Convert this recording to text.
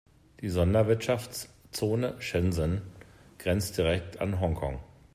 Die Sonderwirtschaftszone Shenzhen grenzt direkt an Hongkong.